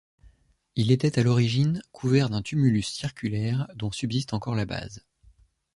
Il était à l'origine couvert d'un tumulus circulaire dont subsiste encore la base.